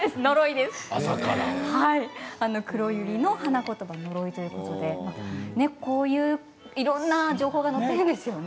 クロユリの花言葉は呪いということでこういういろいろな情報載っているんですね。